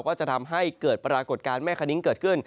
ก็จะทำให้เกิดปรากฏการณ์แม่คณิ้งเกิดขึ้น